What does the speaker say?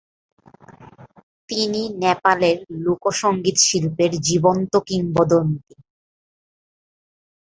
তিনি নেপালের লোক সংগীত শিল্পের জীবন্ত কিংবদন্তি।